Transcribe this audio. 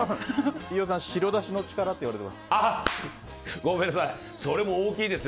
飯尾さん白だしの力って言われてます。